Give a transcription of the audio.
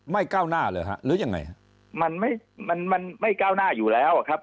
ไม่ก้าวหน้าหรือหรือยังไงมันไม่ก้าวหน้าอยู่แล้วครับ